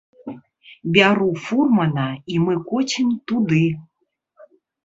Бяру фурмана, і мы коцім туды.